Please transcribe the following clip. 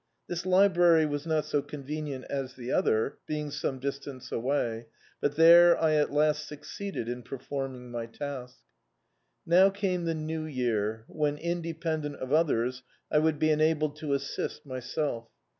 This library was not so convenient as the other, be ing some distance away, but there I at last succeeded in performing my task. Now came the new year when, independent of others, I would be enabled to assist myself.